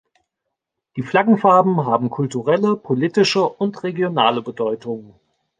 Die Flaggenfarben haben kulturelle, politische und regionale Bedeutungen.